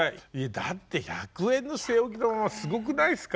だって１００円の据え置きのまますごくないっすか？